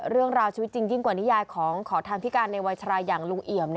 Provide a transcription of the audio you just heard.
เรื่องราวชีวิตจริงยิ่งกว่านิยายของขอทานพิการในวัยชราอย่างลุงเอี่ยม